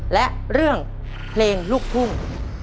และเรื่องเพลงลูกทุ่ง